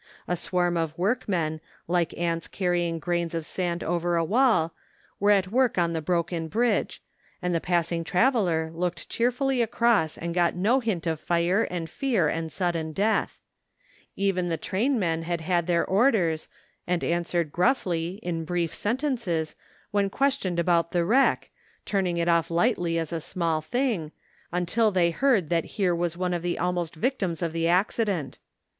A swarm of workmen, like ants carrying grains of sand over a wall, were at work on the broken bridge, and the pass ing traveller looked cheerfully across and got no hint of fire and fear and sudden death. Even the trainmen 128 THE FINDING OF JASPER HOLT had had their orders and answered gruffly, in brief sentences, when questioned about the wreck, turning it off lightly as a small thing, until they heard that here was one of the almost victims of the accident.